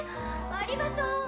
ありがとう！